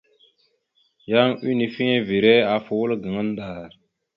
Yan unifiŋere afa wal gaŋa ndar.